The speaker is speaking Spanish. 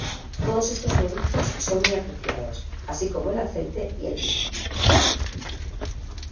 Todos estos productos son muy apreciados, así como el aceite y el vino.